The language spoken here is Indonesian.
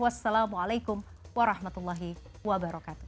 wassalamualaikum warahmatullahi wabarakatuh